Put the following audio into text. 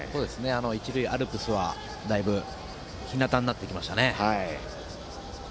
一塁アルプスはだいぶひなたになってきましたね。